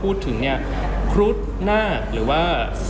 คุณต้องไปคุยกับทางเจ้าหน้าที่เขาหน่อย